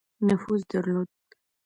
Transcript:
نفوذ درلود.